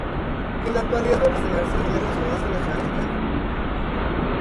En la actualidad sirve para celebrar ceremonias relacionadas con la ciudad de Reikiavik.